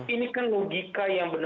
ini kan logika yang benar